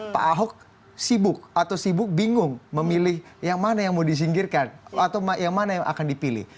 pak ahok sibuk atau sibuk bingung memilih yang mana yang mau disingkirkan atau yang mana yang akan dipilih